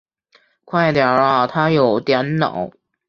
快点啊他有点恼